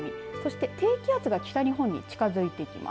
低気圧が北日本に近づいています。